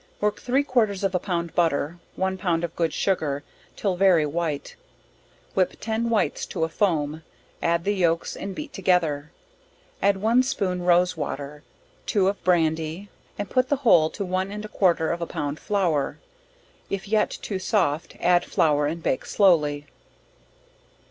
Work three quarters of a pound butter, one pound of good sugar, 'till very white, whip ten whites to a foam, add the yolks and beat together, add one spoon rose water, 2 of brandy, and put the whole to one and a quarter of a pound flour, if yet too soft add flour and bake slowly.